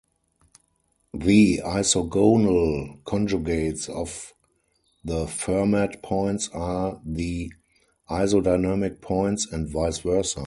The isogonal conjugates of the Fermat points are the isodynamic points and vice versa.